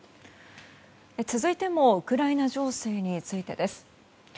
続いてもウクライナ情勢についてです。